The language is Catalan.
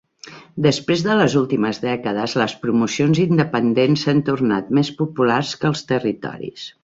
Després de les últimes dècades, les promocions independents s'han tornat més populars que els territoris.